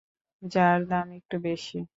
যার দাম একটু বেশি।